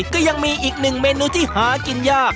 ก็ยังมีอีกหนึ่งเมนูที่หากินยาก